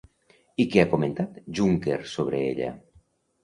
I què ha comentat Juncker sobre ella?